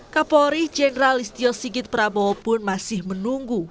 kapolri jenderal istio sigit prabowo pun masih menunggu